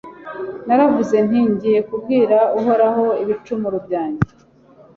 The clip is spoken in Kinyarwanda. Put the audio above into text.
Naravuze nti Ngiye kubwira Uhoraho ibicumuro byanjye»